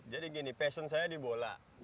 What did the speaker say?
jadi gini passion saya di bola